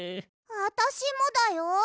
あたしもだよ。